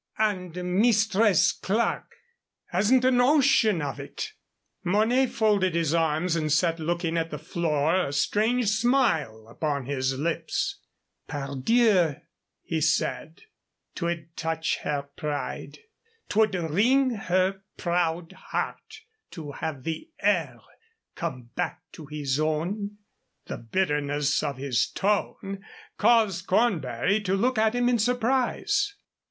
"And Mistress Clerke?" "Hasn't a notion of it." Mornay folded his arms and sat looking at the floor, a strange smile upon his lips. "Pardieu!" he said; "'twould touch her pride 'twould wring her proud heart to have the heir come back to his own." The bitterness of his tone caused Cornbury to look at him in surprise.